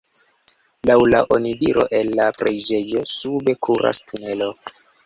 Laŭ la onidiro el la preĝejo sube kuras tunelo.